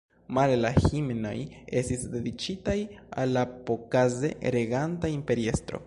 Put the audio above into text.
Male la himnoj estis dediĉitaj al la pokaze reganta imperiestro.